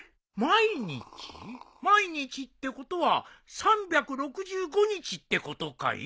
毎日ってことは３６５日ってことかい？